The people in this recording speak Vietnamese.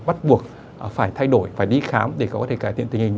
bắt buộc phải thay đổi phải đi khám để có thể cải thiện tình hình